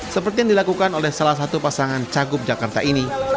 seperti yang dilakukan oleh salah satu pasangan cagup jakarta ini